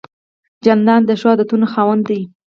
جانداد د ښو عادتونو خاوند دی.